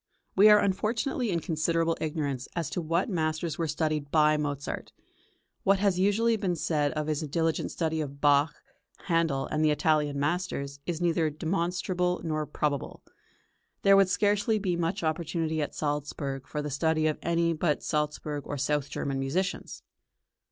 We are unfortunately in considerable ignorance as to what masters were studied by Mozart. What has usually been said of his diligent study of Bach, Handel, and the Italian masters, is neither demonstrable nor probable. There would scarcely be much opportunity at Salzburg for the study of any but Salzburg or south German musicians.